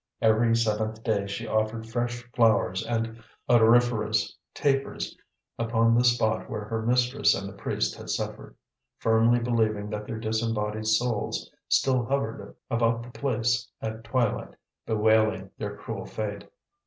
Every seventh day she offered fresh flowers and odoriferous tapers upon the spot where her mistress and the priest had suffered, firmly believing that their disembodied souls still hovered about the place at twilight, bewailing their cruel fate.